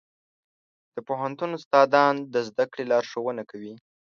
د پوهنتون استادان د زده کړې لارښوونه کوي.